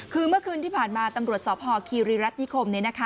คือเมื่อคืนที่ผ่านมาตำรวจสพคีรีรัฐนิคม